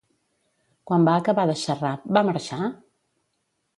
Quan va acabar de xerrar, va marxar?